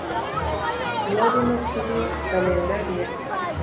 Wari no kuri kalendari yanjye.